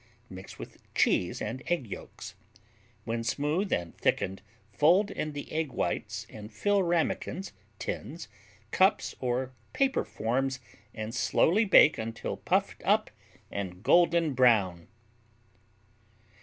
Mix with cheese and egg yolks. When smooth and thickened fold in the egg whites and fill ramekins, tins, cups or paper forms and slowly bake until puffed up and golden brown.